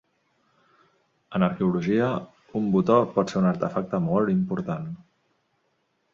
En arqueologia, un botó pot ser un artefacte molt important.